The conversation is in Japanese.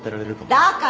だから！